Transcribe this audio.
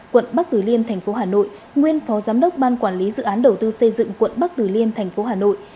quận bắc tử liêm tp hà nội nguyên phó giám đốc ban quản lý dự án đầu tư xây dựng quận bắc tử liêm tp hà nội